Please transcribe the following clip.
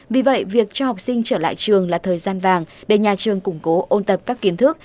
vì vậy việc cho học sinh trở lại trường là thời gian vàng để nhà trường củng cố ôn tập các kiến thức